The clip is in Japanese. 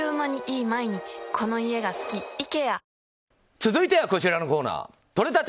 続いてはこちらのコーナーとれたて！